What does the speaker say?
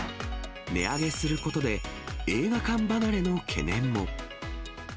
値上げすることで、映画館離れの懸念も。